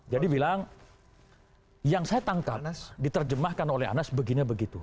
jadi bilang yang saya tangkap diterjemahkan oleh anas begini begitu